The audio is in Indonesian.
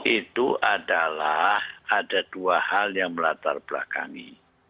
itu adalah ada dua hal yang melatar belakangi